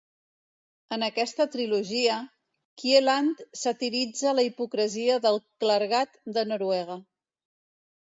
En aquesta trilogia, Kielland satiritza la hipocresia del clergat de Noruega.